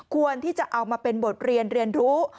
ควรที่จะเอามาเป็นบทเรียนเรียนรู้